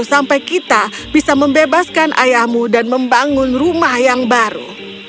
sampai kita bisa membebaskan ayahmu dan membangun rumah yang baru